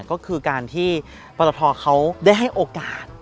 ก็คือการที่ปรตทเขาได้ให้โอกาส